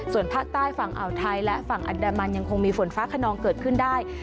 ส่วนภาคใต้ฝั่งอ่าวไทยและฝั่งอันดามันยังคงมีฝนฟ้าขนองเกิดขึ้นได้